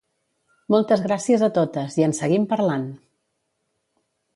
Moltes gràcies a totes, i en seguim parlant!